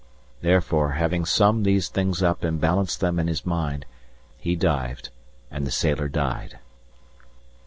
Therefore, having summed these things up and balanced them in his mind, he dived and the sailor died.